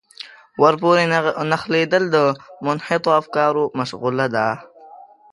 ورپورې نښلېدل د منحطو افکارو مشغولا ده.